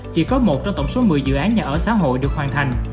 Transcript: chỉ có một trong tổng số một mươi dự án nhà ở xã hội được hoàn thành